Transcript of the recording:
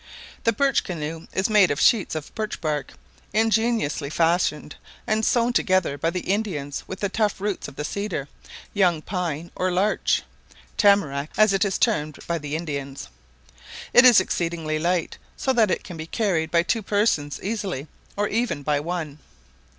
The birch canoe is made of sheets of birch bark, ingeniously fashioned and sewn together by the Indians with the tough roots of the cedar, young pine, or larch (tamarack, as it is termed by the Indians); it is exceedingly light, so that it can be carried by two persons easily, or even by one.